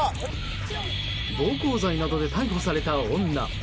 暴行罪などで逮捕された女。